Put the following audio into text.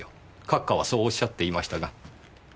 閣下はそうおっしゃっていましたが。